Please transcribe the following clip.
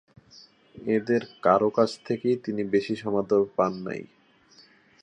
এঁদের কারো কাছ থেকেই তিনি বেশি সমাদর পান নাই।